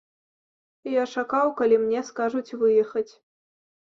Я чакаў, калі мне скажуць выехаць.